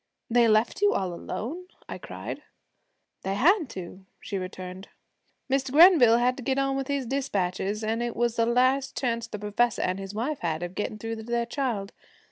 'They left you all alone!' I cried. 'They had to,' she returned. 'Mr. Grenville had to get on with his dispatches, an' it was the last chance the professor an' his wife had of gettin' through to their child.